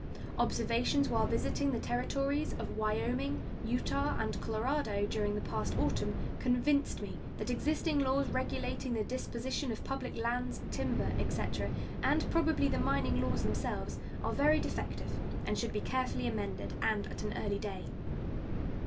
Observations while visiting the Territories of Wyoming, Utah, and Colorado during the past autumn convinced me that existing laws regulating the disposition of public lands, timber, etc., and probably the mining laws themselves, are very defective and should be carefully amended, and at an early day.